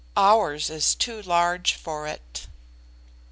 Ours is too large for it."